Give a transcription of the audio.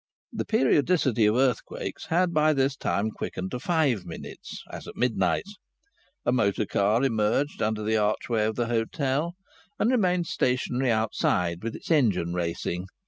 The periodicity of earthquakes had by this time quickened to five minutes, as at midnight. A motor car emerged under the archway of the hotel, and remained stationary outside with its engine racing.